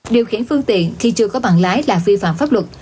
điều khiển phương tiện khi chưa có bằng lái là vi phạm pháp luật